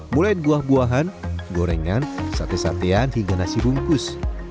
mulai buah buahan gorengan sate satean hingga nasi bungkus